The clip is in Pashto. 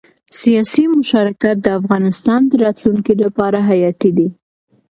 سیاسي مشارکت د افغانستان د راتلونکي لپاره حیاتي دی